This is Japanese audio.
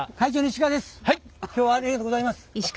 今日はありがとうございます！